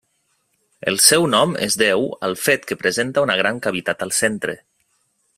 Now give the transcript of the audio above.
El seu nom es deu al fet que presenta una gran cavitat al centre.